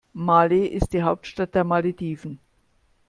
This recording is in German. Malé ist die Hauptstadt der Malediven.